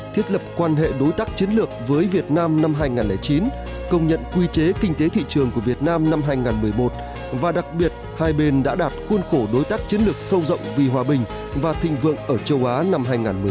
thiết lập quan hệ đối tác chiến lược với việt nam năm hai nghìn chín công nhận quy chế kinh tế thị trường của việt nam năm hai nghìn một mươi một và đặc biệt hai bên đã đạt khuôn khổ đối tác chiến lược sâu rộng vì hòa bình và thịnh vượng ở châu á năm hai nghìn một mươi chín